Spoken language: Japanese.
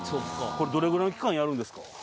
これ、どれぐらいの期間、やるんですか？